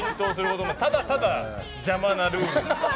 ただただ邪魔なルール。